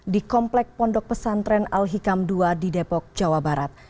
di komplek pondok pesantren al hikam ii di depok jawa barat